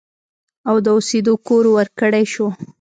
او د اوسېدو کور ورکړی شو